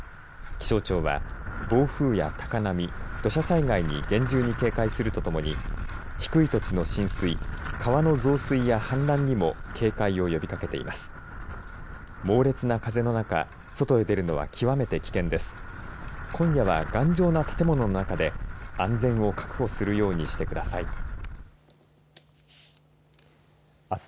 気象庁は暴風や高波土砂災害に厳重に警戒するとともに低い土地の浸水川の増水や氾濫にも警戒を呼びかけています。